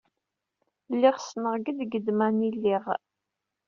Lliɣ ssneɣ ged ged mani lliɣ.